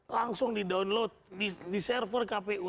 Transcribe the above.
langsung di download di server kpu